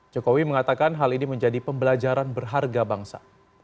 jokowi mengatakan hal ini menjadi pembelajaran berharga bangsa